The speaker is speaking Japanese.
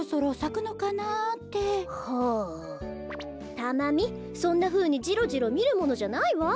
タマミそんなふうにジロジロみるものじゃないわ。